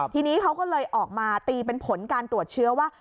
ทีนี้เขาก็เลยออกมาตีเป็นผลการตรวจเชื้อว่า